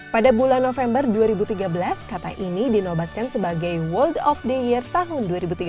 pada bulan november dua ribu tiga belas kata ini dinobatkan sebagai world of the year tahun dua ribu tiga belas